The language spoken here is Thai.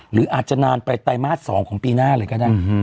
หรืออาจจะนานไปไตรมาส๒ของปีหน้าเลยก็ได้